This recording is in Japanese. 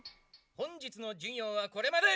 本日の授業はこれまで！